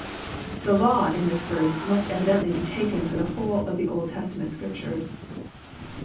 "" The law," in this verse, must evidently be taken for the whole of the Old Testament Scriptures.